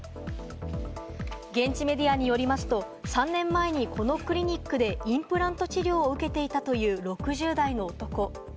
現地メディアによりますと、３年前にこのクリニックでインプラント治療を受けていたという６０代の男。